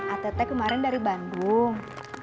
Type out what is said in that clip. ate te kemarin dari bandung